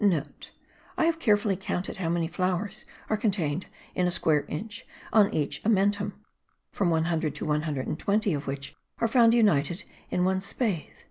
(* I have carefully counted how many flowers are contained in a square inch on each amentum, from 100 to 120 of which are found united in one spathe.)